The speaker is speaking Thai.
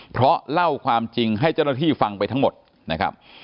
เพราะเล่าความจริงให้เจ้าหน้าที่ฟังไปทั้งหมดนะครับ